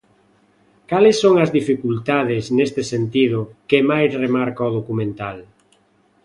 Cales son as dificultades, neste sentido, que máis remarca o documental?